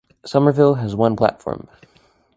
Somerville has one platform.